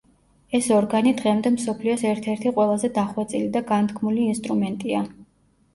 ეს ორგანი დღემდე მსოფლიოს ერთ-ერთი ყველაზე დახვეწილი და განთქმული ინსტრუმენტია.